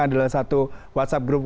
adalah satu whatsapp group